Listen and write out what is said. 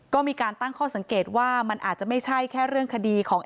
ก็มีการตั้งข้อสังเกตว่ามันอาจจะไม่ใช่แค่เรื่องคดีของ